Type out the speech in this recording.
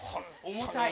重たい。